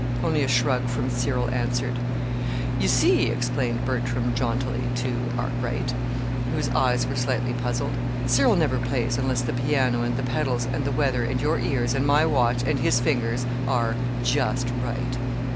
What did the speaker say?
Only a shrug from Cyril answered. "You see," explained Bertram, jauntily, to Arkwright, whose eyes were slightly puzzled, "Cyril never plays unless the piano and the pedals and the weather and your ears and my watch and his fingers are just right!"